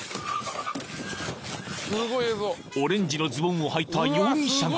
［オレンジのズボンをはいた容疑者が］